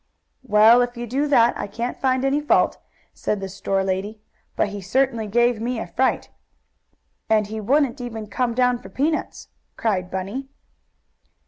"Well, if you do that I can't find any fault," said the store lady. "But he certainly gave me a great fright." "And he wouldn't even come down for peanuts," cried Bunny.